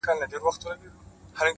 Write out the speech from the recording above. راډيو ـ